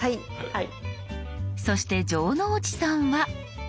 そして城之内さんは。